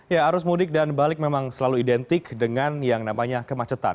ya arus mudik dan balik memang selalu identik dengan yang namanya kemacetan